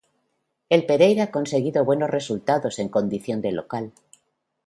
El Pereira ha conseguido buenos resultados en condición de local.